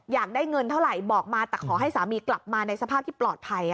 อยากได้เงินเท่าไหร่บอกมาแต่ขอให้สามีกลับมาในสภาพที่ปลอดภัย